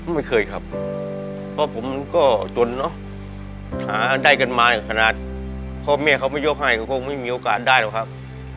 ไม่เคยครับเพราะผมก็จนเนอะหาได้กันมาขนาดพ่อแม่เขาไม่ยกให้เขาก็ไม่มีโอกาสได้หรอกครับ